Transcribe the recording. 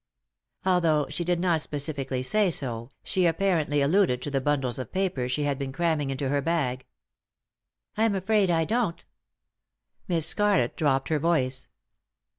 Although she did not specifically say so, she apparently alluded to the bundles of papers she had been cramming into her bag. " I'm afraid I don't." Miss Scarlett dropped her voice.